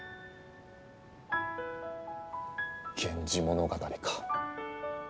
「源氏物語」か。